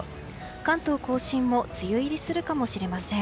関東・甲信も梅雨入りするかもしれません。